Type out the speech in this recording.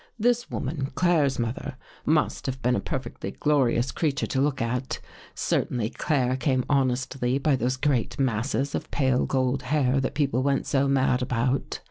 " This woman — Claire's mother — must have been a perfectly glorious creature to look at. Cer tainly Claire came honestly by those great masses of pale gold hair that people went so mad about.